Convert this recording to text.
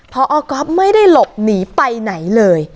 พอก๊อฟไม่ได้หลบหนีไปไหนเลย